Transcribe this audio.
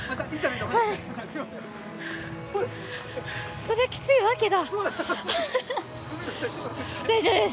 そりゃきついわけだ。